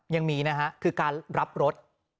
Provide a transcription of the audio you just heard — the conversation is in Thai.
ยังมีนะฮะคือการรับรถ